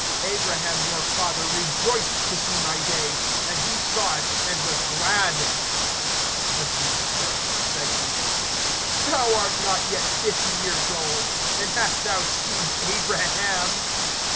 (56)Abraham, your father, rejoiced to see my day; and he saw it, and was glad. (57)The Jews therefore said to him: Thou art not yet fifty years old, and hast thou seen Abraham?